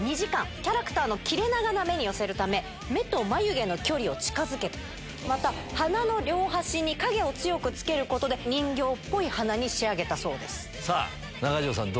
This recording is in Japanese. キャラクターの切れ長な目に寄せるため、目と眉毛の距離を近づけ、またはなの両端に影を強くつけることで、人形っぽい鼻に仕上げたさあ、中条さん、どう？